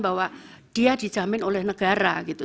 bahwa dia dijamin oleh negara gitu